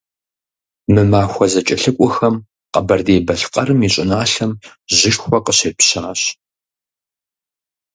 Мы махуэ зэкӀэлъыкӀуэхэм Къэбэрдей-Балъкъэрым и щӀыналъэм жьышхуэ къыщепщащ.